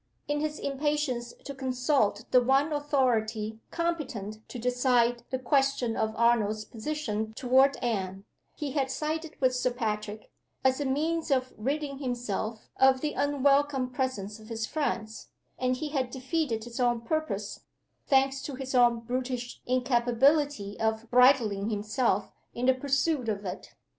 In his impatience to consult the one authority competent to decide the question of Arnold's position toward Anne, he had sided with Sir Patrick, as a means of ridding himself of the unwelcome presence of his friends and he had defeated his own purpose, thanks to his own brutish incapability of bridling himself in the pursuit of it.